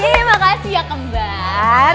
yeay makasih ya kembar